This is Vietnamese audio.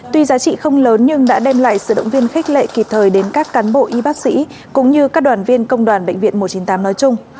tuy giá trị không lớn nhưng đã đem lại sự động viên khích lệ kịp thời đến các cán bộ y bác sĩ cũng như các đoàn viên công đoàn bệnh viện một trăm chín mươi tám nói chung